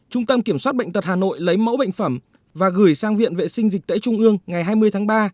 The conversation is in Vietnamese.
trung tâm kiểm soát bệnh tật hà nội lấy mẫu bệnh phẩm và gửi sang viện vệ sinh dịch tễ trung ương ngày hai mươi tháng ba